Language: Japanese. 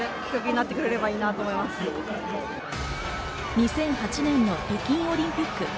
２００８年の北京オリンピック。